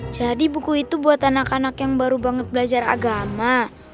jadi buku itu buat anak anak yang baru banget belajar agama